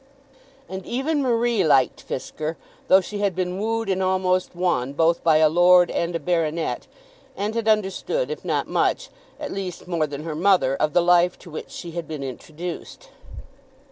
And even Marie liked Fisker, though she had been wooed and almost won both by a lord and a baronet, and had understood, if not much, at least more than her mother, of the life to which she had been introduced.